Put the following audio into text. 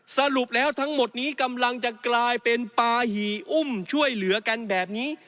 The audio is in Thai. สรุปแล้วทั้งหมดนี้กำลังจะกลายเป็นปาหี่อุ้มช่วยเหลือกันแบบนี้